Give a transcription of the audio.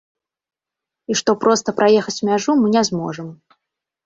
І што проста праехаць мяжу мы не зможам.